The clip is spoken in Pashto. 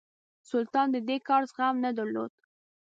سلطان د دې کار زغم نه درلود.